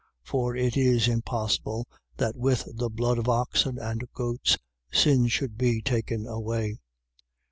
For it is impossible that with the blood of oxen and goats sin should be taken away.